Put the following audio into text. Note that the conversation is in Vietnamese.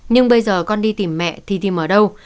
nhưng bây giờ con đi tìm mẹ thì tìm ở đâu